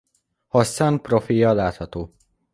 Hasszán profilja látható.